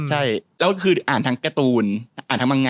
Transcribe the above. ใช่แล้วคืออ่านทั้งการ์ตูนอ่านทำยังไง